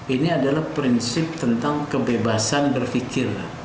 ini adalah prinsip tentang kebebasan berpikir